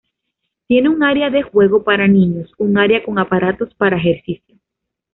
Tiene un área de juegos para niños, un área con aparatos para ejercicio.